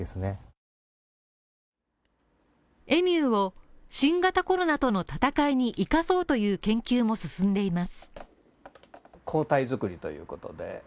エミューを新型コロナとの戦いに生かそうという研究も進んでいます。